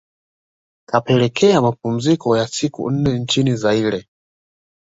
kapelekea mapumziko ya siku nne nchini Zaire